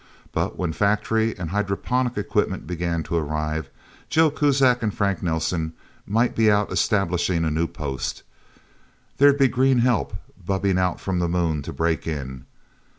But when factory and hydroponic equipment began to arrive, Joe Kuzak and Frank Nelsen might be out establishing a new post. There'd be green help, bubbing out from the Moon, to break in.